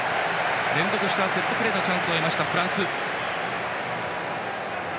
連続してセットプレーのチャンスを得たフランス。